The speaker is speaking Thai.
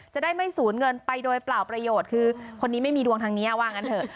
จะได้ไม่สูญเงินไปโดยเปล่าประโยชน์คือคนนี้ไม่มีดวงทางนี้ว่างั้นเถอะ